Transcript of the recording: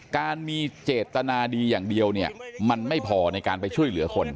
การมีเจตนาดีอย่างเดียวเนี่ยมันไม่พอในการไปช่วยเหลือคน